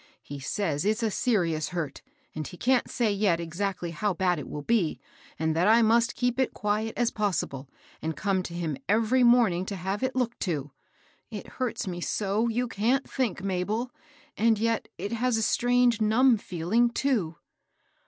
He says it's a serious hurt, and he can't say yet exactly how bad it will be, and that I must keep it quiet as possible, and come to him every morning to have it looked to. It hurts me so, you can't think, Mabel ; and yet it has a strange numb feeling, too."